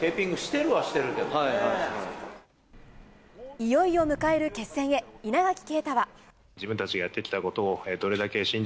いよいよ迎える決戦へ稲垣啓太は。